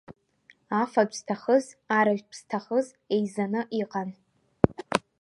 Афатә зҭахыз, арыжәтә зҭахыз, еизаны иҟан.